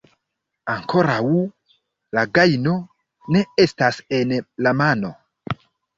Ankoraŭ la gajno ne estas en la mano.